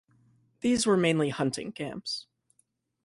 These were mainly hunting camps.